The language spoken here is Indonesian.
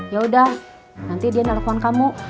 ya udah nanti dia telepon kamu